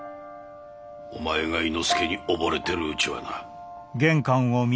お前が猪之助に溺れてるうちはな。